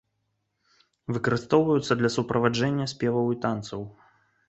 Выкарыстоўваюцца для суправаджэння спеваў і танцаў.